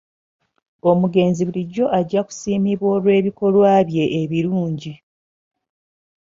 Omugenzi bulijjo ajja kusiimibwa olw'ebikolwa bye ebirungi.